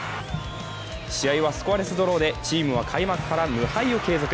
試合はスコアレスドローでチームは開幕から無敗を継続。